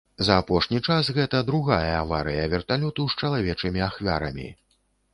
За апошні час гэта другая аварыя верталёту з чалавечымі ахвярамі.